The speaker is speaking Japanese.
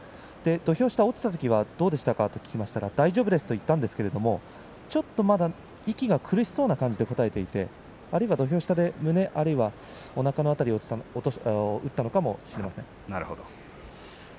土俵下、落ちたときは大丈夫ですと言ったんですがちょっと、まだ息が苦しそうな感じで答えていたので土俵下で胸あるいは、おなかの辺りを打ったのかもしれません。